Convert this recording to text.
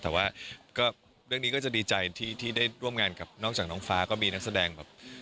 แต่ว่าก็เรื่องนี้ก็จะดีใจที่ได้ร่วมงานกับนอกจากน้องฟ้าก็มีนักแสดงแบบ